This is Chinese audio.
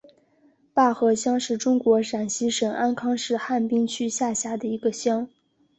坝河乡是中国陕西省安康市汉滨区下辖的一个乡。